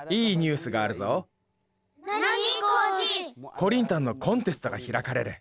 コリンタンのコンテストがひらかれる。